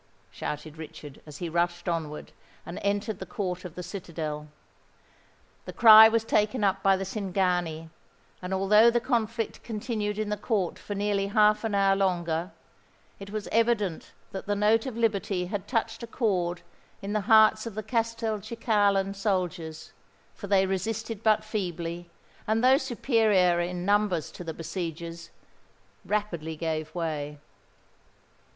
shouted Richard, as he rushed onward, and entered the court of the citadel. The cry was taken up by the Cingani; and although the conflict continued in the court for nearly half an hour longer, it was evident that the note of liberty had touched a chord in the hearts of the Castelcicalan soldiers, for they resisted but feebly and, though superior in numbers to the besiegers, rapidly gave way.